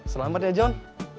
selamat ya john